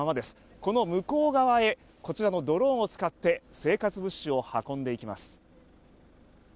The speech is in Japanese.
この向こう側へこちらのドローンを使って生活物資を運んでいきます。